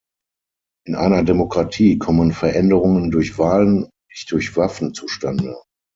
In einer Demokratie kommen Veränderungen durch Wahlen und nicht durch Waffen zustande.